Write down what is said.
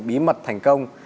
bí mật thành công